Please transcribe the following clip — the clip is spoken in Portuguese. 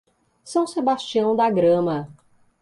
São Sebastião da Grama